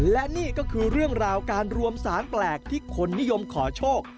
และนี่ก็คือเรื่องราวการรวมสารแปลกที่คนนิยมขอโชค